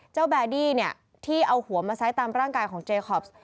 แบดี้เนี่ยที่เอาหัวมาไซส์ตามร่างกายของเจคอป